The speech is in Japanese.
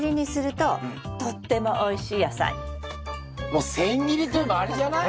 もう千切りといえばあれじゃない？